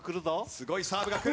すごいサーブがくる。